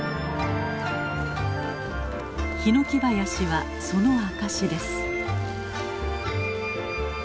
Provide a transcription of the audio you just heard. ヒノキ林はその証しです。